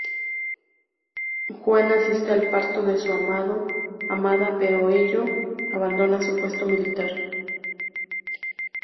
Juan asiste al parto de su amada pero para ello abandona su puesto militar.